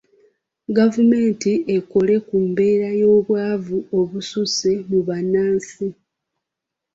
Gavumenti ekole ku mbeera y’obwavu obususse mu bannansi.